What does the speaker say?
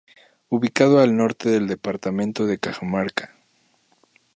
Ubicado al norte del departamento de Cajamarca.